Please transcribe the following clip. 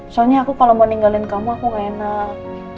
soalnya aku kalau mau ninggalin kamu aku gak enak